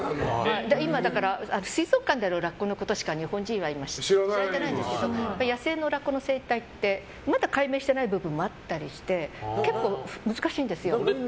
今、水族館にいるラッコのことしか日本人は知らないんですけど野生のラッコの生態ってまだ解明していない部分もあったりして結構、難しいんですよ。